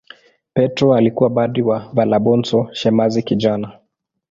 Petro alikuwa padri na Valabonso shemasi kijana.